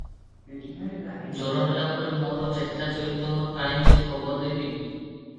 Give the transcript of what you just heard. ଜର ହେଲା ପରେ ମୋର ଚେତା ଚଇତନ କାଇଁ ଯେ ଖବର ଦେବି?